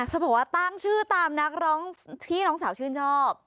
เขาบอกว่าตั้งชื่อตามนักร้องที่น้องสาวชื่นชอบ